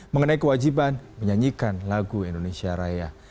mengenai kewajiban menyanyikan lagu indonesia raya